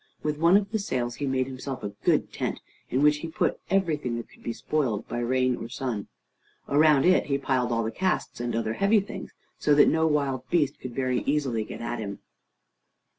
With one of the sails he made himself a good tent, in which he put everything that could be spoiled by rain or sun. Around it he piled all the casks and other heavy things, so that no wild beast could very easily get at him.